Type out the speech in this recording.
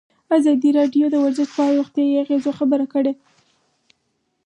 ازادي راډیو د ورزش په اړه د روغتیایي اغېزو خبره کړې.